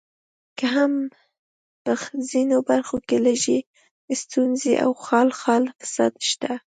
که څه هم په ځینو برخو کې لږې ستونزې او خال خال فساد شته.